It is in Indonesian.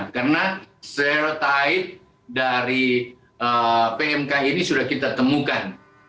karena serotipe dari pmk ini sudah kita temukan